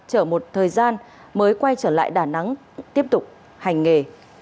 chở một thời gian mới quay trở lại đà nẵng tiếp tục hành nghề